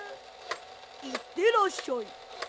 いってらっしゃい。